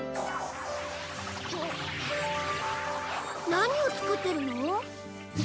何を作ってるの？